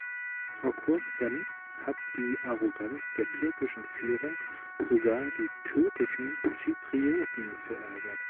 Vor kurzem hat die Arroganz der türkischen Führung sogar die türkischen Zyprioten verärgert.